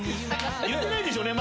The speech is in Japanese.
言ってないでしょうね